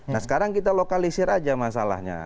nah sekarang kita lokalisir aja masalahnya